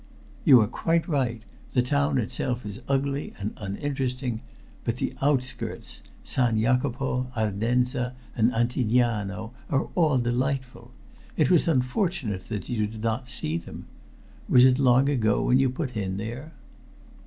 "You are quite right. The town itself is ugly and uninteresting. But the outskirts San Jacopo, Ardenza and Antigniano are all delightful. It was unfortunate that you did not see them. Was it long ago when you put in there?"